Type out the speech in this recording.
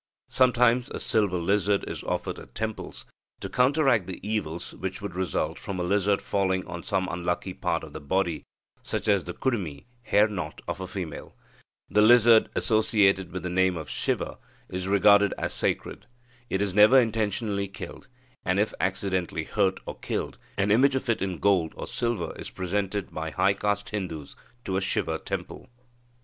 Sometimes a silver lizard is offered at temples, to counteract the evils which would result from a lizard falling on some unlucky part of the body, such as the kudumi (hair knot) of a female. The lizard, associated with the name of Siva, is regarded as sacred. It is never intentionally killed, and, if accidentally hurt or killed, an image of it in gold or silver is presented by high caste Hindus to a Siva temple.